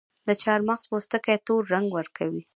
د چارمغز پوستکي تور رنګ ورکوي.